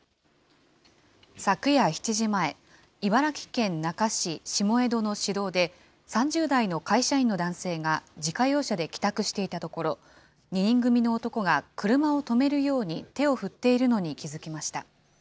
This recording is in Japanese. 昨夜７時前、茨城県那珂市下江戸の市道で、３０代の会社員の男性が自家用車で帰宅していたところ、２人組の男が車を止めるように手を振っているのに気付きました。